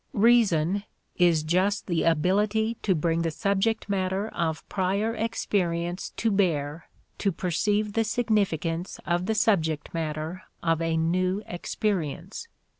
"Reason" is just the ability to bring the subject matter of prior experience to bear to perceive the significance of the subject matter of a new experience.